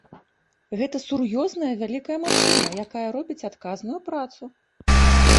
Гэта сур'ёзная вялікая машына, якая робіць адказную працу.